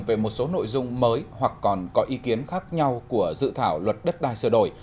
về một số nội dung mới hoặc còn có ý kiến khác nhau của dự thảo luật đất đai sửa đổi